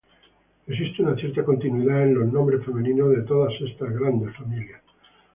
Existe una cierta continuidad en los nombres femeninos de todas estas grandes familias.